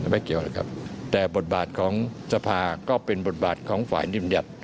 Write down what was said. ไม่เกี่ยวเลยครับแต่บทบาทของสภาก็เป็นบทบาทของฝ่ายนิมยัติ